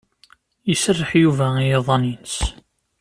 Iserreḥ Yuba i yiḍan-ines.